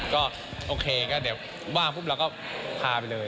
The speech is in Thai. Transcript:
ก็โอเคก็เดี๋ยวว่างปุ๊บเราก็พาไปเลย